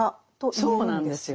そうなんですよ。